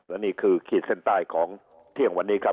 และนี่คือขีดเส้นใต้ของเที่ยงวันนี้ครับ